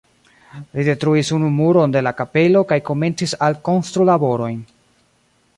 Li detruis unu muron de la kapelo kaj komencis alkonstrulaborojn.